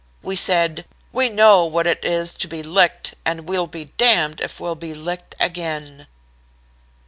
We said: "'We know what it is to be licked, and we'll be damned if we'll be licked again.'"